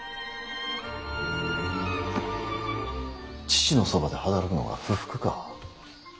父のそばで働くのが不服か。